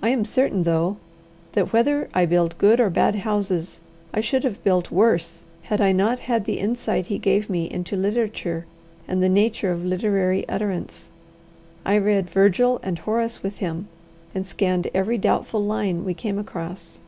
I am certain, though, that whether I build good or bad houses, I should have built worse had I not had the insight he gave me into literature and the nature of literary utterance. I read Virgil and Horace with him, and scanned every doubtful line we came across.